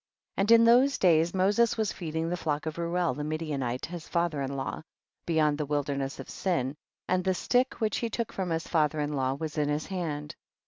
And in those days Moses was feeding the flock of Reuel the Midi anite his father in law, beyond the wilderness of Sin, and the stick which he took from his father in law was in his hand.